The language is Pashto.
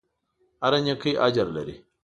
هره نېکۍ اجر لري.